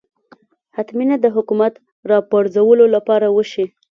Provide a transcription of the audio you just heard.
حتمي نه ده حکومت راپرځولو لپاره وشي